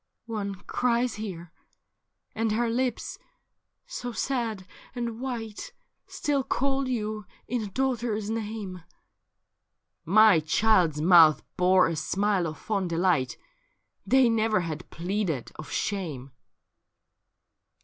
''' One cries here, and her lips, so sad and white. Still call you in a daughter's name.' ' My child's mouth bore a smile of fond delight ; They never had pleaded of shame.''